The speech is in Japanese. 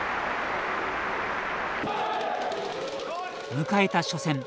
迎えた初戦。